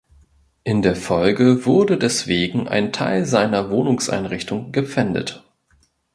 In der Folge wurde deswegen ein Teil seiner Wohnungseinrichtung gepfändet.